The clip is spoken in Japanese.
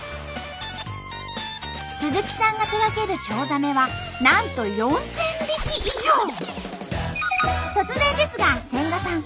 鈴木さんが手がけるチョウザメはなんと突然ですが千賀さん！